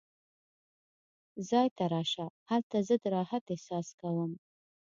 ځای ته راشه، هلته زه د راحت احساس کوم.